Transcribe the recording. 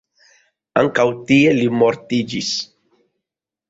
Ankaŭ tie li mortiĝis.